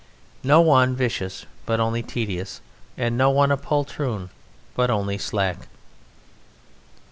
No one vicious but only tedious, and no one a poltroon but only slack.